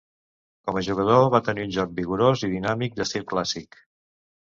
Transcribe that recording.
Com a jugador, va tenir un joc vigorós i dinàmic d'estil clàssic.